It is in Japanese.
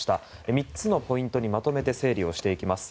３つのポイントにまとめて整理をしていきます。